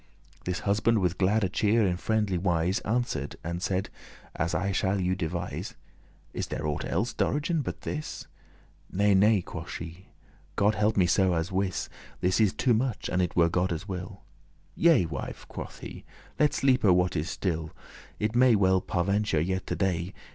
This husband with glad cheer,* in friendly wise, *demeanour Answer'd and said, as I shall you devise.* *relate "Is there aught elles, Dorigen, but this?" "Nay, nay," quoth she, "God help me so, *as wis* *assuredly* This is too much, an* it were Godde's will." *if "Yea, wife," quoth he, "let sleepe what is still, It may be well par'venture yet to day.